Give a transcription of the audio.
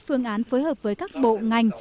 phương án phối hợp với các bộ ngành